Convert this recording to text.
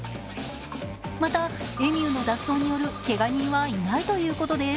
またエミューの脱走によるけが人はいないということです。